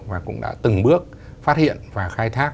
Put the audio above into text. và cũng đã từng bước phát hiện và khai thác